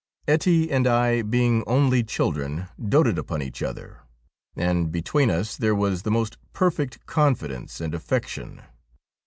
Ettie and I, being only children, doted upon each other, and between us there was the most perfect confidence and affection.